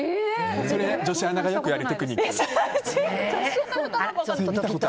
女子アナがよくやるテクニック。